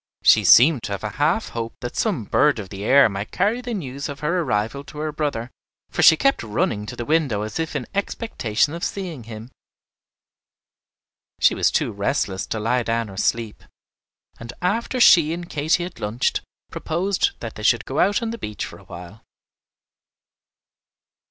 She seemed to have a half hope that some bird of the air might carry the news of her arrival to her brother, for she kept running to the window as if in expectation of seeing him. She was too restless to lie down or sleep, and after she and Katy had lunched, proposed that they should go out on the beach for a while.